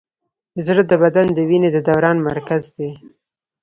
زړه د بدن د وینې د دوران مرکز دی.